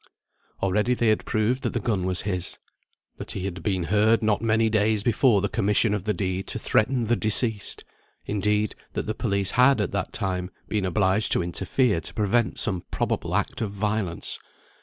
Already they had proved that the gun was his, that he had been heard not many days before the commission of the deed to threaten the deceased; indeed, that the police had, at that time, been obliged to interfere to prevent some probable act of violence.